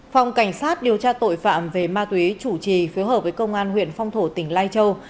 phòng cảnh sát điều tra tội phạm về ma túy chủ trì phiếu hợp với công an huyện phong thổ tỉnh lai châu